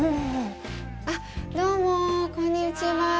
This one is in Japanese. どうも、こんにちは。